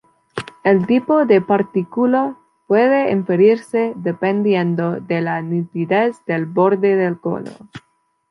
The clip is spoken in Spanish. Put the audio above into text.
El tipo de partícula puede inferirse dependiendo de la nitidez del borde del cono.